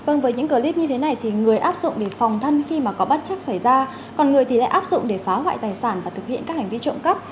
vâng với những clip như thế này thì người áp dụng để phòng thân khi mà có bất chắc xảy ra còn người thì lại áp dụng để phá hoại tài sản và thực hiện các hành vi trộm cắp